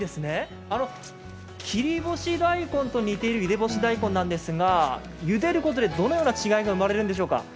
切り干し大根と似ているゆで干し大根なんですが、ゆでることで、どのような違いが生まれるんでしょうか？